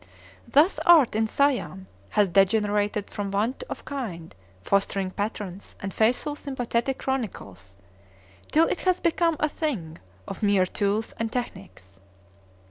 Thus art in Siam has degenerated for want of kind, fostering patrons, and faithful, sympathetic chroniclers, till it has become a thing of mere tools and technics.